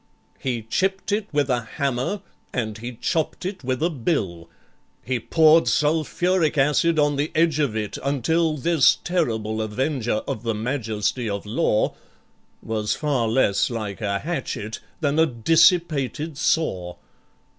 He chipped it with a hammer and he chopped it with a bill, He poured sulphuric acid on the edge of it, until This terrible Avenger of the Majesty of Law Was far less like a hatchet than a dissipated saw.